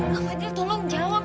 kak fadil tolong jawab